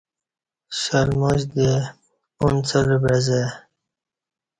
شلماچ دے انُڅہ لہ بعزہ